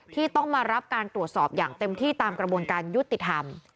ที่ต้องมารับการตรวจสอบอย่างเต็มที่ตามกระบวนการยุติธรรม